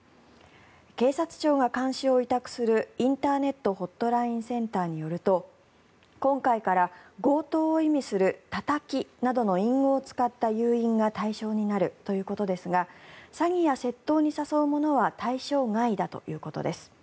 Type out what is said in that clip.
警察庁が監視を委託するインターネット・ホットラインセンターによると今回から強盗を意味するたたきなどの隠語を使った誘引が対象になるということですが詐欺や窃盗に誘うものは対象外だということです。